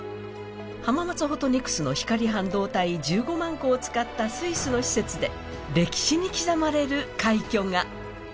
浜松ホトニクスの光半導体１５万個を使ったスイスの施設で歴史に刻まれる快挙が。